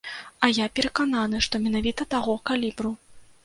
А я перакананы, што менавіта таго калібру.